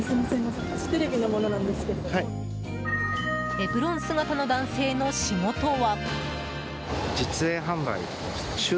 エプロン姿の男性の仕事は。